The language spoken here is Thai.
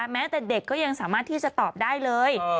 แม้แต่เด็กก็ยังสามารถที่จะตอบได้เลย